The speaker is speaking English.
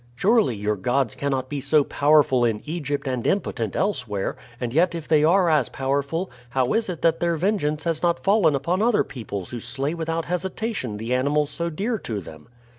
Surely your gods cannot be so powerful in Egypt and impotent elsewhere; and yet if they are as powerful, how is it that their vengeance has not fallen upon other peoples who slay without hesitation the animals so dear to them?"